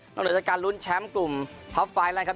นักโหลยการลุ้นแชมป์กลุ่มภาพไฟล์แลนด์ครับ